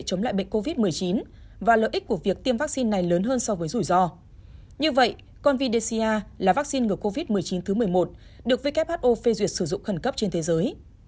còn vdca là vắc xin ngừa covid một mươi chín thứ một mươi một được who phê duyệt sử dụng khẩn cấp trên thế giới